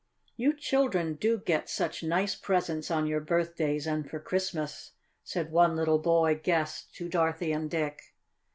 "You children do get such nice presents on your birthdays and for Christmas," said one little boy guest to Dorothy and Dick.